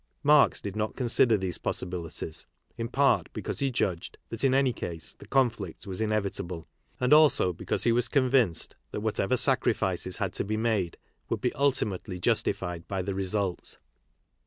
Marx did not consider these possibilities, in part because he judged that, in any case, the conflict was inevitable, and also because he was convinced that whatever sacri fices had to be made would be ultimately justified by the, result.